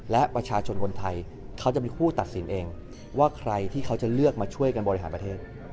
และประชาชนคนไทยเขาจะมีคู่ตัดสินเองว่าใครที่เขาจะเลือกมาช่วยกันบริหารประเทศ